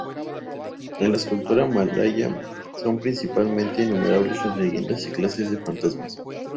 En la cultura malaya son prácticamente innumerables las leyendas y clases de fantasmas.